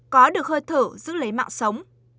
có được hơi thở giữ lấy mạng sống